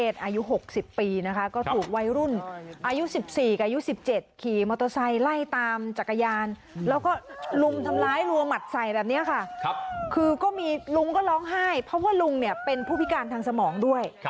ลุงก็ร้องไห้เพราะว่าลุงเป็นผู้พิการทางสมองด้วย